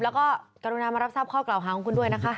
แล้วก็กรุณามารับทราบข้อกล่าวหาของคุณด้วยนะคะ